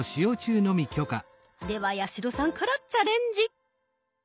では八代さんからチャレンジ。